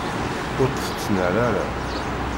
Ur tt-tettnal ara.